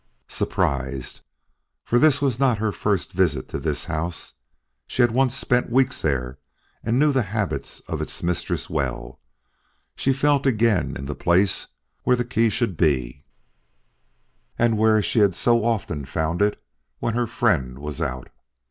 Surprised, for this was not her first visit to this house (she had once spent weeks there and knew the habits of its mistress well), she felt again in the place where the key should be, and where she had so often found it when her friend was out.